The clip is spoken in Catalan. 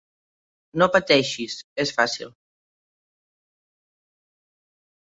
No pateixis, és fàcil.